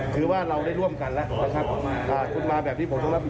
คือว่าเราได้ร่วมกันแล้ว